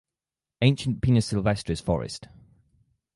Ancient "Pinus sylvestris" forest.